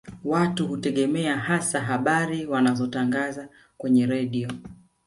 Watu hutegemea hasa habari wanazotangaza kwenye redio